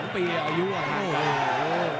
๒๒ปีอายุอ่ะโอ้โห